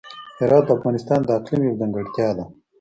هرات د افغانستان د اقلیم یوه ځانګړتیا ده.